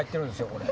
これ。